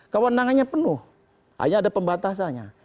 kewenangannya penuh hanya ada pembatasannya